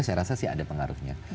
saya rasa sih ada pengaruhnya